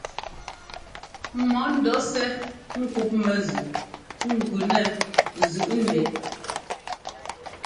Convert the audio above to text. Mɔ ńdɔɔsɛ́ ŋ́kúpmɛ zʉꞌ gʉ nɛ zʉꞌ ndɛꞌ ɛ.